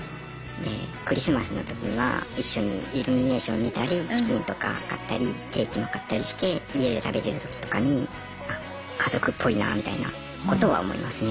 でクリスマスのときには一緒にイルミネーション見たりチキンとか買ったりケーキも買ったりして家で食べてるときとかにあっ家族っぽいなみたいなことは思いますね。